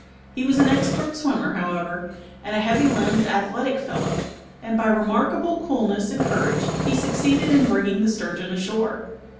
He was an expert swimmer, however, and a heavy limbed athletic fellow, and by remarkable coolness and courage he succeeded in bringing the sturgeon ashore.